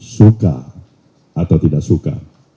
suka atau tidak suka